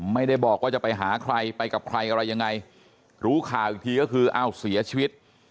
ไม่ได้บอกว่าจะไปหาใครไปกับใครอะไรยังไงรู้ข่าวอีกทีก็คืออ้าวเสียชีวิต